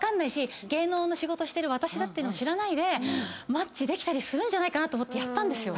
芸能の仕事してる私だっていうのを知らないでマッチできたりするんじゃないかなと思ってやったんですよ。